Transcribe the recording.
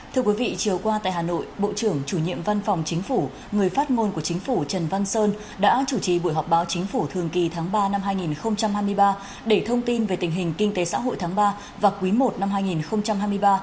thưa quý vị chiều qua tại hà nội bộ trưởng chủ nhiệm văn phòng chính phủ người phát ngôn của chính phủ trần văn sơn đã chủ trì buổi họp báo chính phủ thường kỳ tháng ba năm hai nghìn hai mươi ba để thông tin về tình hình kinh tế xã hội tháng ba và quý i năm hai nghìn hai mươi ba